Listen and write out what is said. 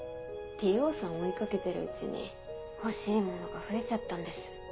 Ｔ・Ｏさん追い掛けてるうちに欲しいものが増えちゃったんです。